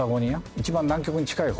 一番南極に近い方。